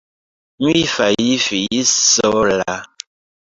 Mi fajfis sola.